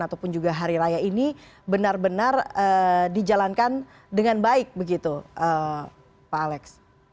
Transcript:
ataupun juga hari raya ini benar benar dijalankan dengan baik begitu pak alex